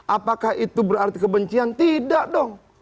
apakah itu berarti kebencian tidak dong